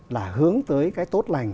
là hướng tới cái tốt lành